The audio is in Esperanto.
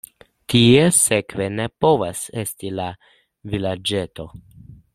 Tie sekve ne povas esti la vilaĝeto.